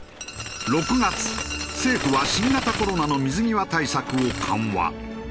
６月政府は新型コロナの水際対策を緩和。